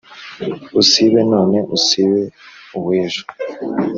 Usibe none, usibe uw’ejo